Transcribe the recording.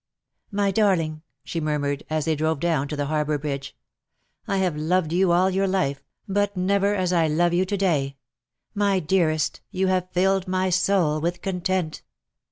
^'My darling,^' she murmured, as they drove down to the harbour bridge, ^' I have loved you all your life, but never as I love you to day. My dearest, you have filled my soul with content."